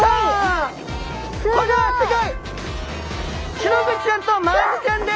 シログチちゃんとマアジちゃんです。